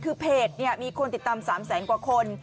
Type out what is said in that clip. คือเพจมีคนติดตาม๓แสนกว่าคน